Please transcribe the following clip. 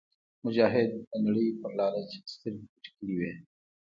مجاهد د نړۍ پر لالچ سترګې پټې کړې وي.